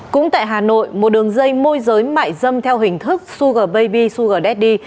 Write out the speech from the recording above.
cũng tại hà nội một đường dây môi giới mại dâm theo hình thức sugar baby sugar daddy